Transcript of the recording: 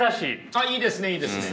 ああいいですねいいですね。